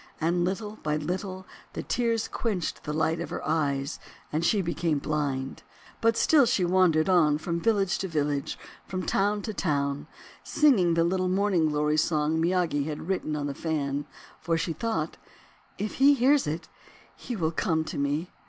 And little by little the tears quenched the light of her eyes, and she became blind. But still she wandered on from village to village, from town to town, singing the little Morning Glory song Miyagi had written on THE MORNING GLORY FAN 177 the fan, for she thought: "If he hears it, he will come to me."